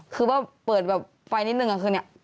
คือว่าเปิดแบบไฟนิดนึงคือเนี่ย